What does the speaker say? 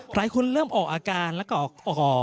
หลายคนเริ่มออกอาการแล้วก็โอ้โห